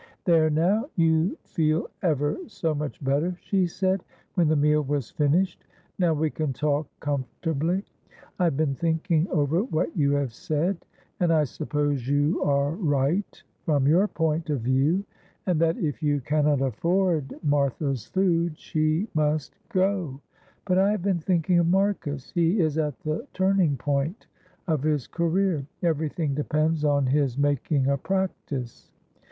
"There now, you feel ever so much better," she said, when the meal was finished. "Now we can talk comfortably. I have been thinking over what you have said, and I suppose you are right from your point of view, and that if you cannot afford Martha's food she must go, but I have been thinking of Marcus. He is at the turning point of his career. Everything depends on his making a practice.